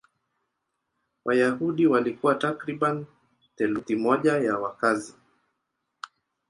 Wayahudi walikuwa takriban theluthi moja ya wakazi.